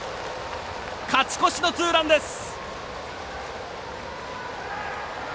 勝ち越しのツーランですよ！